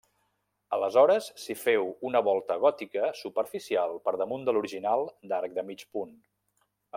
Aleshores s'hi féu una volta gòtica superficial per damunt de l'original d'arc de mig punt.